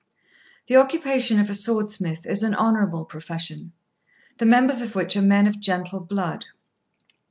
] The occupation of a swordsmith is an honourable profession, the members of which are men of gentle blood.